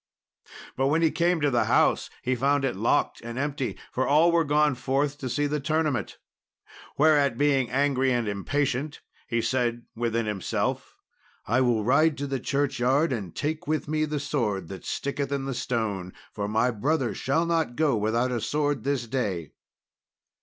But when he came to the house he found it locked and empty, for all were gone forth to see the tournament. Whereat, being angry and impatient, he said within himself, "I will ride to the churchyard and take with me the sword that sticketh in the stone, for my brother shall not go without a sword this day."